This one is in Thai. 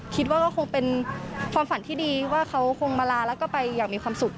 คิดว่าก็คงเป็นความฝันที่ดีว่าเขาคงมาลาแล้วก็ไปอย่างมีความสุข